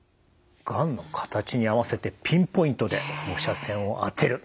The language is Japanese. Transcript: がんの形に合わせてピンポイントで放射線を当てる。